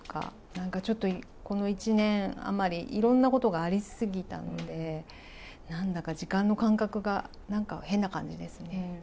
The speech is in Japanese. なんかちょっと、この１年余り、いろんなことがあり過ぎたので、なんだか時間の感覚が、なんか変な感じですね。